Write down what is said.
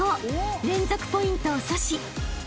連続ポイントを阻止］